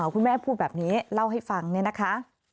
คุณแม่พูดแบบนี้เล่าให้ฟังเนี่ยนะคะ